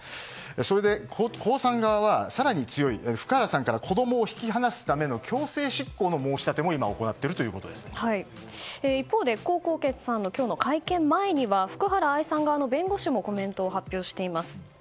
それで、江さん側は更に強い、福原さんから子供を引き離すための強制執行の申し立ても一方で江宏傑さんの今日の会見前には福原愛さん側の弁護士もコメントを発表しています。